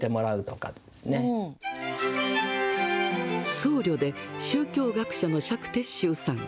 僧侶で宗教学者の釈徹宗さん。